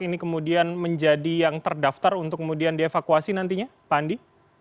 ini kemudian menjadi yang terdaftar untuk kemudian dievakuasi nantinya pak andi